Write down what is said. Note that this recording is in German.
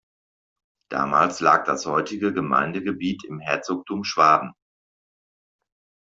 Damals lag das heutige Gemeindegebiet im Herzogtum Schwaben.